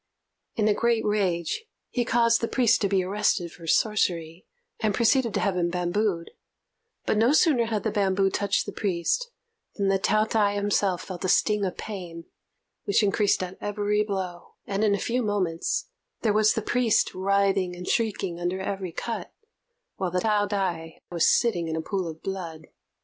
In a great rage, he caused the priest to be arrested for sorcery, and proceeded to have him bambooed; but no sooner had the bamboo touched the priest than the Taot'ai himself felt a sting of pain, which increased at every blow; and, in a few moments, there was the priest writhing and shrieking under every cut, while the Taot'ai was sitting in a pool of blood.